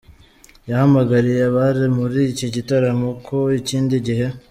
Yahamagariye abari muri iki gitaramo ko ikindi gihe